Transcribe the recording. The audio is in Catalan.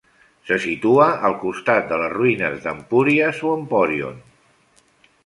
Se situa al costat de les ruïnes d'Empúries o Empòrion.